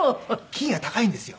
キーが高いんですよ。